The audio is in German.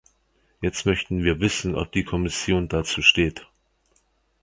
Jetzt möchten wir wissen, ob die Kommission dazu steht.